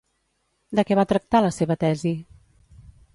De què va tractar la seva tesi?